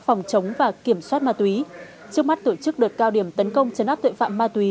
phòng chống và kiểm soát ma túy trước mắt tổ chức đợt cao điểm tấn công chấn áp tội phạm ma túy